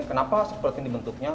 kenapa seperti ini bentuknya